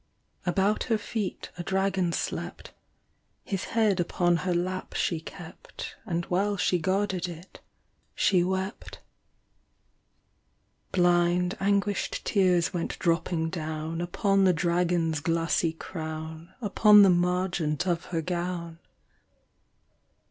About her feet a dragon slept, His head upon her lap she kept And while she guarded it, she wept. 73 A Picture. Blind, anguished tears went dropping down Upon the dragon's glassy crown, Upon the margent of her gown.